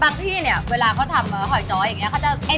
ที่เนี่ยเวลาเขาทำหอยจ้อยอย่างนี้